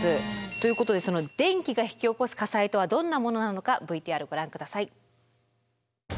ということで電気が引き起こす火災とはどんなものなのかＶＴＲご覧ください。